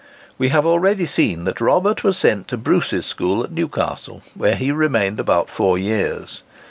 We have already seen that Robert was sent to Bruce's school at Newcastle, where he remained about four years.